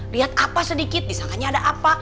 lihat apa sedikit disangkanya ada apa